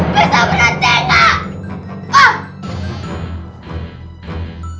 bisa berantem gak